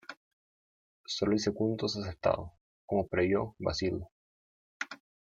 Solo el segundo es aceptado, como previó Bazille..